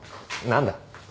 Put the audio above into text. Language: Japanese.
何だ？